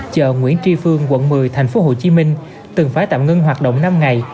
chợ nguyễn tri phương quận một mươi tp hcm từng phải tạm ngưng hoạt động năm ngày